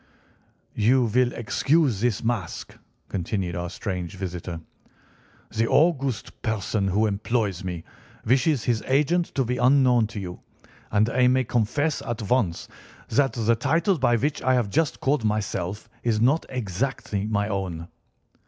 "You will excuse this mask," continued our strange visitor. "The august person who employs me wishes his agent to be unknown to you, and I may confess at once that the title by which I have just called myself is not exactly my own."